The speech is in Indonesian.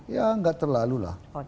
ya nggak terlalu lah